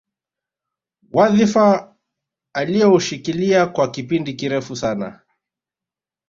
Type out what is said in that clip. Wadhifa alioushikilia kwa kipindi kirefu sana